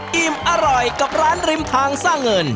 ดินอร่อยกับร้านริมทางซ่าเงิน